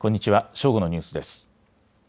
正午のニュースです。